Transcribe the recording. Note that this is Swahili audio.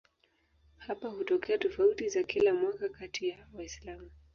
Hapa hutokea tofauti za kila mwaka kati ya Waislamu.